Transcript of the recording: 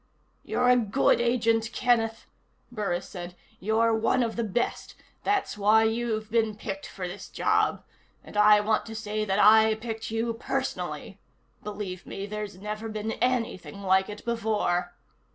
"You're a good agent, Kenneth," Burris said. "You're one of the best. That's why you've been picked for this job. And I want to say that I picked you personally. Believe me, there's never been anything like it before."